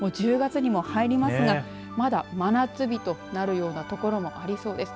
もう１０月にも入りますがまだ真夏日となるような所もありそうです。